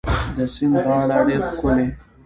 د سیند غاړه ډيره ښکلې